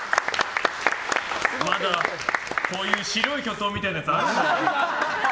まだこういう「白い巨塔」みたいなやつ